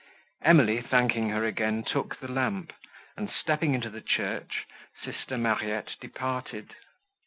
Emily, thanking her again, took the lamp, and, stepping into the church, sister Mariette departed.